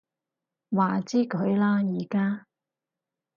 話之佢啦而家